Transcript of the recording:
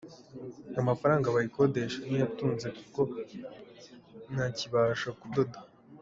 Amafaranga bayikodesha ni yo antunze kuko ntakibasha kudoda.